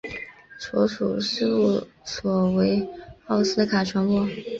所属事务所为奥斯卡传播。